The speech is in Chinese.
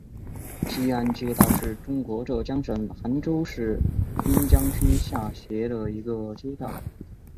西兴街道是中国浙江省杭州市滨江区下辖的一个街道。